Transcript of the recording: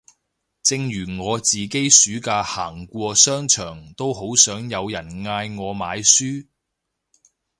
正如我自己暑假行過商場都好想有人嗌我買書